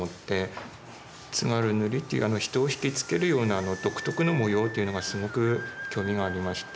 津軽塗っていう人を引き付けるような独特の模様というのがすごく興味がありまして。